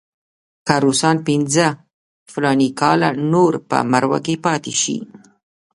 که روسان پنځه فلاني کاله نور په مرو کې پاتې شي.